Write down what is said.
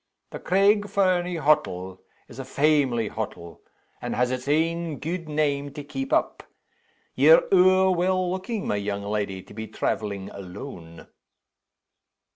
The Craig Fernie hottle is a faimily hottle and has its ain gude name to keep up. Ye're ower well looking, my young leddy, to be traveling alone."